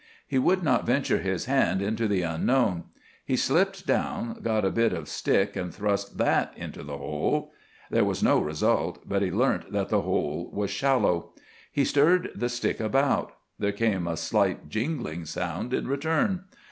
He would not venture his hand into the unknown. He slipped down, got a bit of stick and thrust that into the hole. There was no result, but he learnt that the hole was shallow. He stirred the stick about. There came a slight jingling sound in return.